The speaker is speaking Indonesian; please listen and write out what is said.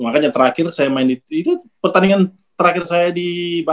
makanya terakhir saya main di itu pertandingan terakhir saya di basket itu